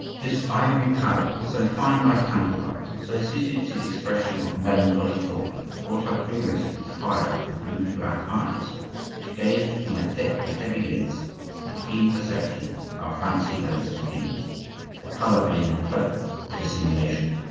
This ivory pallor, so fine by candlelight, so suited to the expression of melancholy thought, brought out vigorously the fire of the blue black eyes, which gazed from their thick and heavy lids with the keen perception our fancy lends to kings, their color being a cloak for dissimulation.